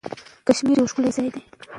کشمیر یو ښکلی ځای دی.